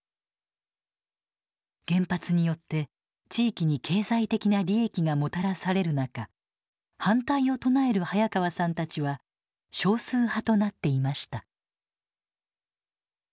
原発によって地域に経済的な利益がもたらされる中反対を唱える早川さんたちは少数派となっていました。